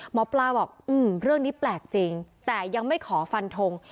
หมอปลาบอกเรื่องนี้แปลกจริงแต่ยังไม่ขอฟันทง